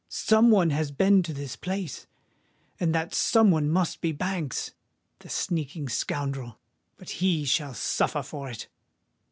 "Some one has been to this place;—and that some one must be Banks! The sneaking scoundrel! But he shall suffer for it."